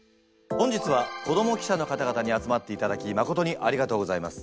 本日は子ども記者の方々に集まっていただきまことにありがとうございます。